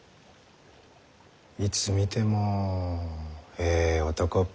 いつ見てもええ男っぷりじゃ。